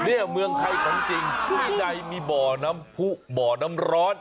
เนี่ยเมืองไข่ความจริงที่ได้มีบ่อน้ำผู้บ่อน้ำร้อน